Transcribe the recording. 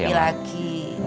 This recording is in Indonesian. udah nyepi lagi